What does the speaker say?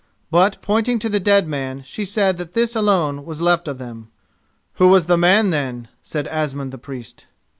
But, pointing to the dead man, she said that this alone was left of them. "Who was the man, then?" said Asmund the Priest.